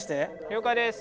了解です。